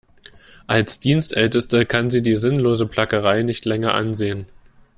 Als Dienstälteste kann sie die sinnlose Plackerei nicht länger ansehen.